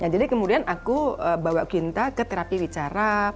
jadi kemudian aku bawa quinta ke terapi bicara